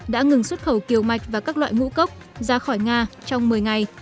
đã ngừng xuất khẩu kiều mạch và các loại ngũ cốc ra khỏi nga trong một mươi ngày